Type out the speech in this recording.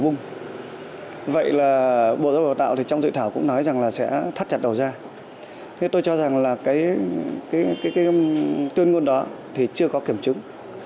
những tuyên ngôn đó thì chưa có kiểm chứng